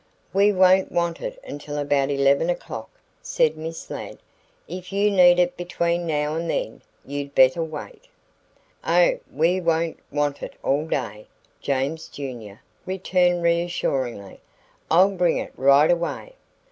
"We won't want it until about 11 o'clock," said Miss Ladd. "If you need it between now and then you'd better wait." "Oh we won't want it all day," James, Jr., returned reassuringly. "I'll bring it right away."